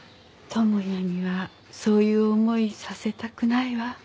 智也にはそういう思いさせたくないわ。